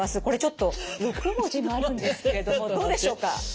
これちょっと６文字もあるんですけどもどうでしょうか？